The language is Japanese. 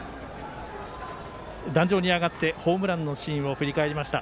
壇上に上がってホームランのシーンを振り返りました。